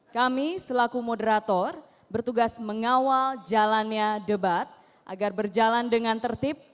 kami selaku moderator bertugas mengawal jalannya debat agar berjalan dengan tertib